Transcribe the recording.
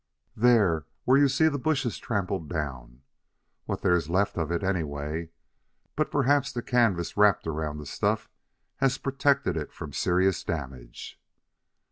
"There, where you see the bushes trampled down. What there is left of it, anyway. But perhaps the canvas wrapped around the stuff has protected it from serious damage."